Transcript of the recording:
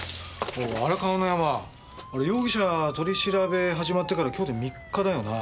荒川のヤマあれ容疑者取り調べ始まってから今日で３日だよな。